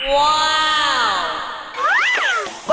ว้าว